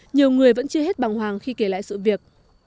nhiều người vẫn chưa hết bằng hoàng khi kể lại sự việc